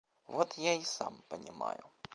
Вот я и сам понимаю.